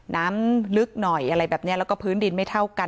น้ำลึกหน่อยอะไรแบบนี้แล้วก็พื้นดินไม่เท่ากัน